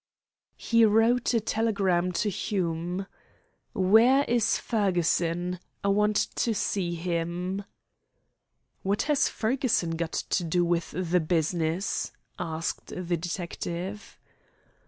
He wrote a telegram to Hume: "Where is Fergusson? I want to see him." "What has Fergusson got to do with the business?" asked the detective.